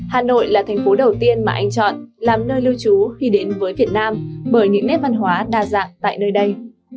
hà nội là thành phố đầu tiên mà anh chọn làm nơi lưu trú khi đến với việt nam bởi những nét văn hóa đa dạng tại nơi đây